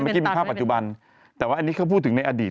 เมื่อกี้มีภาพปัจจุบันแต่ว่าอันนี้เขาพูดถึงในอดีต